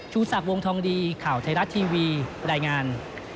ศักดิ์วงทองดีข่าวไทยรัฐทีวีรายงาน